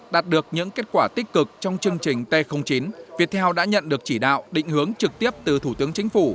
đạt được những kết quả tích cực trong chương trình t chín viettel đã nhận được chỉ đạo định hướng trực tiếp từ thủ tướng chính phủ